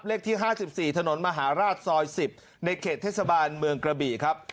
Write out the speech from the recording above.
เลขที่ห้าสิบสี่ถนนมหาราชซอยสิบในเขตเทศบาลเมืองกระบีครับ